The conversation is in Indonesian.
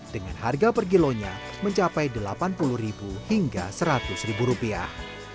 dengan harga per kilonya mencapai delapan puluh hingga seratus rupiah